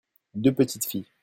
deux petites filles.